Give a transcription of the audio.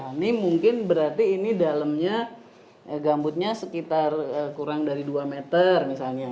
ini mungkin berarti ini dalamnya gambutnya sekitar kurang dari dua meter misalnya